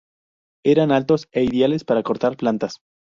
Eran altos e ideales para cortar plantas.